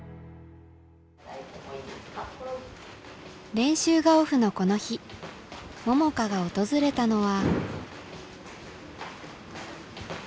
練習がオフのこの日桃佳が訪れたのは。